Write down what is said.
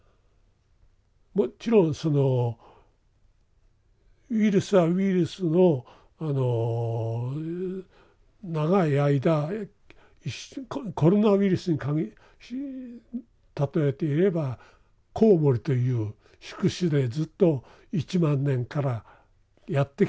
もちろんそのウイルスはウイルスのあの長い間コロナウイルスに例えて言えばコウモリという宿主でずっと１万年からやってきてる。